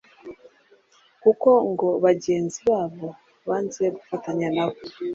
kuko ngo bagenzi babo banze gufatanya nabo